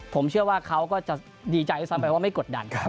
ผมเชื่อว่าเขาก็จะดีใจด้วยซ้ำไปว่าไม่กดดัน